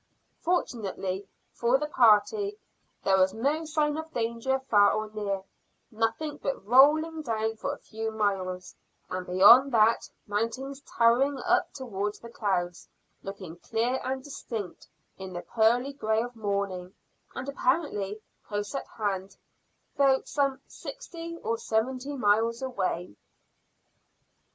Fortunately for the party there was no sign of danger far or near nothing but rolling down for a few miles, and beyond that mountains towering up towards the clouds, looking clear and distinct in the pearly grey of morning, and apparently close at hand, though some sixty or seventy miles away.